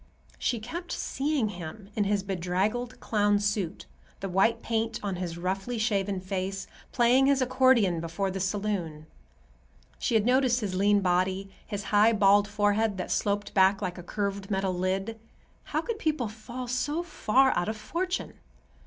She kept seeing him in his bedraggled clown suit, the white paint on his roughly shaven face, playing his accordion before the saloon. She had noticed his lean body, his high, bald forehead that sloped back like a curved metal lid. How could people fall so far out of fortune?